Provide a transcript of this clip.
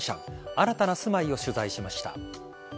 新たな住まいを取材しました。